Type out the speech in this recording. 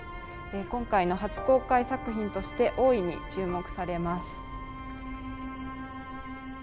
今回の初公開作品として大いに注目されます。